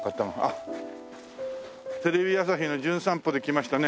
テレビ朝日の『じゅん散歩』で来ましたね